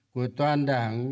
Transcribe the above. của toàn đảng